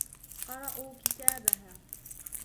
قَرَأُوا كِتَابَهَا.